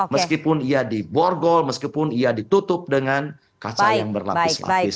meskipun ia diborgol meskipun ia ditutup dengan kaca yang berlapis lapis